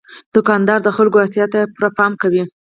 دوکاندار د خلکو اړتیا ته پوره پام کوي.